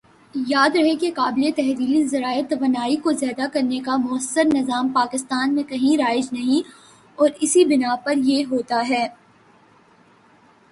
یاد رہے کہ قابلِ تحلیل ذرائع توانائی کو ذیادہ کرنے کا مؤثر نظام پاکستان میں کہیں رائج نہیں اور اسی بنا پر یہ ہوتا ہے